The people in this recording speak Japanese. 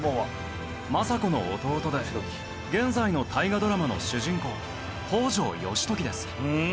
政子の弟で現在の大河ドラマの主人公北条義時です。